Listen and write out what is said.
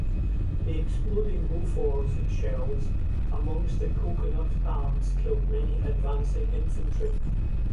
The exploding Bofors shells amongst the coconut palms killed many advancing infantry.